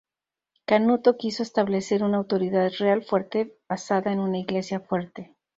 Canuto quiso establecer una autoridad real fuerte basada en una iglesia fuerte.